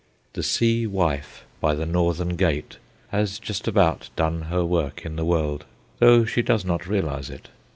The Sea Wife by the Northern Gate has just about done her work in the world, though she does not realize it.